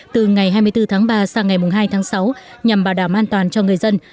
từ ngày hai mươi bốn tháng ba sang ngày hai tháng sáu nhằm bảo đảm an toàn cho người dân